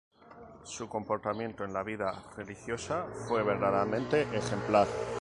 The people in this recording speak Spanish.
Su comportamiento en la vida religiosa fue verdaderamente ejemplar.